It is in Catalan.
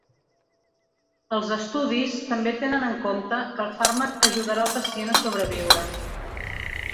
Els estudis també tenen en compte que el fàrmac ajudarà el pacient a sobreviure.